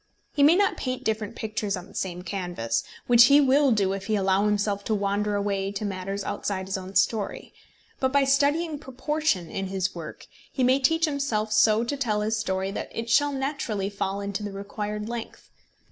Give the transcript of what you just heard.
He may not paint different pictures on the same canvas, which he will do if he allow himself to wander away to matters outside his own story; but by studying proportion in his work, he may teach himself so to tell his story that it shall naturally fall into the required length.